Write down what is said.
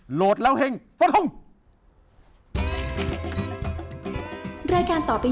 โหลดแล้วเฮ่งสวัสดีครับ